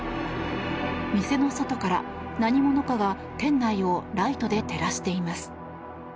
店の外から、何者かが店内をライトで照らしています。